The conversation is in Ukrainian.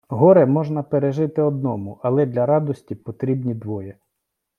Горе можна пережити одному, але для радості потрібні двоє.